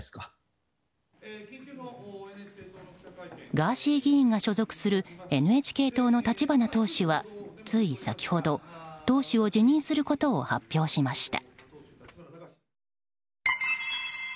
ガーシー議員が所属するＮＨＫ党の立花党首はつい先ほど、党首を辞任することを発表しました。